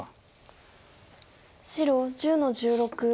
白１０の十六。